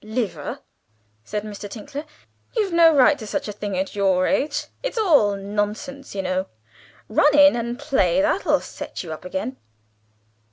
"Liver!" said Mr. Tinkler, "you've no right to such a thing at your age; it's all nonsense, you know. Run in and play, that'll set you up again."